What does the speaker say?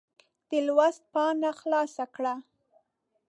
د لوست پاڼه خلاصه کړه.